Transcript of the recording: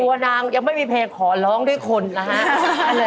ตัวนางยังไม่มีเพลงขอร้องด้วยคนนะฮะ